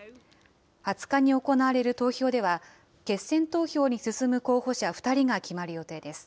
２０日に行われる投票では、決選投票に進む候補者２人が決まる予定です。